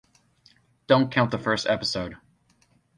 Don't count the first episode.